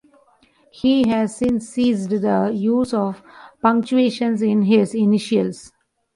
He has since ceased the use of punctuation in his initials.